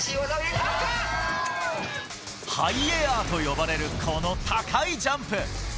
ハイエアーと呼ばれるこの高いジャンプ。